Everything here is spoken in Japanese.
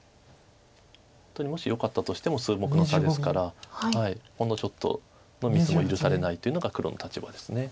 本当にもしよかったとしても数目の差ですからほんのちょっとのミスも許されないというのが黒の立場です。